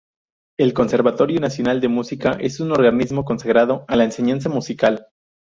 El Conservatorio Nacional de Música es un organismo consagrado a la enseñanza musical.